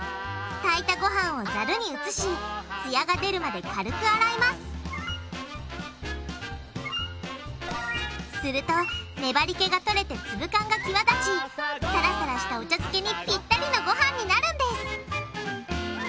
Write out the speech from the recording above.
炊いたごはんをざるに移しつやが出るまで軽く洗いますするとねばり気が取れて粒感が際立ちサラサラしたお茶漬けにピッタリのごはんになるんです！